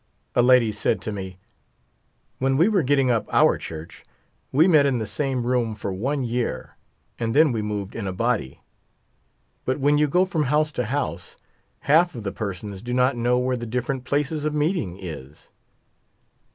A lady said to me :" When we were getting up our church, we met in the same room for one year, and then we moved in a body ; but when you go from house to house, half of the persons do not know where the different places of meeting is."